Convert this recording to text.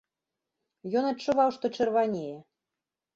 Ён адчуваў, што чырванее.